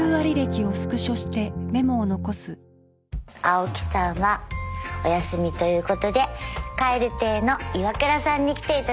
青木さんはお休みということで蛙亭のイワクラさんに来ていただきました。